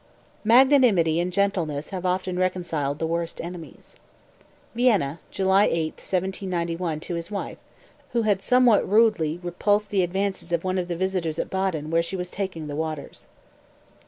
214. "Magnanimity and gentleness have often reconciled the worst enemies." (Vienna, July 8, 1791, to his wife, who had somewhat rudely repulsed the advances of one of the visitors at Baden where she was taking the waters.)